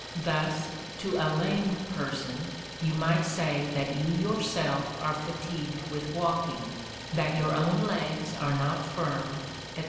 Thus to a lame person, you might say that you yourself are fatigued with walking, that your own legs are not firm, &c.